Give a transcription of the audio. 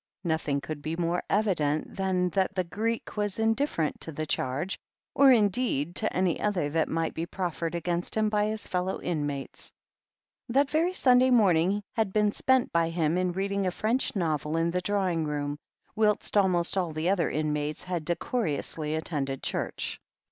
Nothing could be more evident than that the Greek was indifferent to the charge, or, indeed, to any other that might be proffered against him by his fellow inmates. That very Sunday morning had been spent by him in reading a French novel in the drawing room, whilst abnost all the other inmates had decorously attended church.